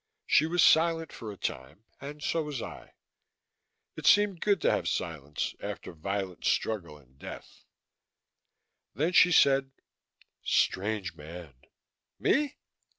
She was silent for a time, and so was I it seemed good to have silence, after violent struggle and death. Then she said: "Strange man." "Me?"